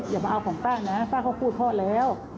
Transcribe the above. อย่ามาเอาของป้านะป้าเขาพูดพ่อแล้ว